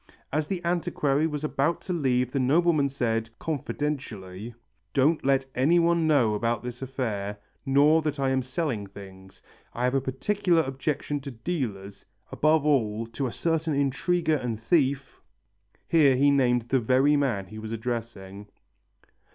As the antiquary was about to leave the nobleman said, confidentially, "Don't let anyone know about this affair, nor that I am selling things. I have a particular objection to dealers, above all to a certain intriguer and thief " Here he named the very man he was addressing.